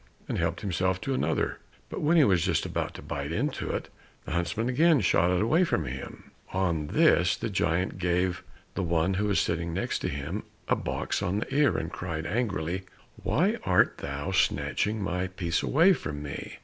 and helped himself to another. But when he was just about to bite into it, the huntsman again shot it away from him. On this the giant gave the one who was sitting next him a box on the ear, and cried angrily, "Why art thou snatching my piece away from me?"